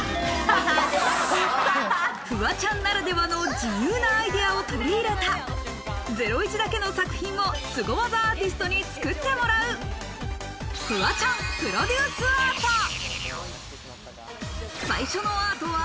フワちゃんならではの自由なアイデアを取り入れた、『ゼロイチ』だけの作品をスゴワザアーティストに作ってもらう、フワちゃんプロデュースアート！